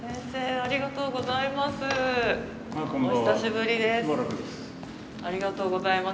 ありがとうございます。